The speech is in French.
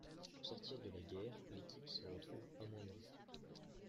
Au sortir de la guerre, l'équipe se retrouve amoindrie.